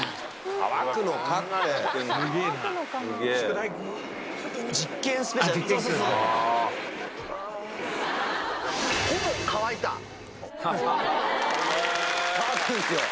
乾くんですよ